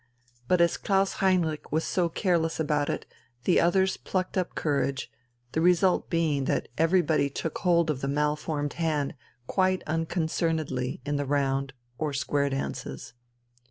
But as Klaus Heinrich was so careless about it, the others plucked up courage, the result being that everybody took hold of the malformed hand quite unconcernedly in the round or square dances.